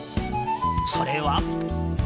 それは。